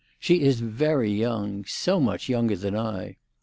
She is very young—so much younger than I!